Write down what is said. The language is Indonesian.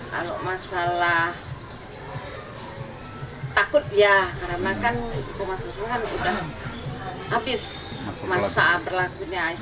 kalau masalah takut ya karena kan kemas susahan udah habis masa berlakunya